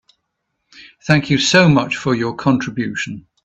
Thank you so much for your contribution.